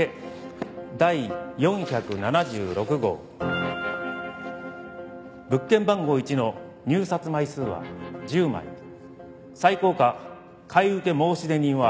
第４７６号物件番号１の入札枚数は１０枚最高価買受申出人は。